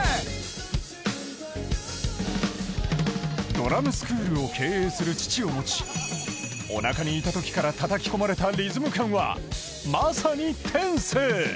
ドラムスクールを経営する父を持ち、おなかにいたときからたたき込まれたリズム感はまさに天性。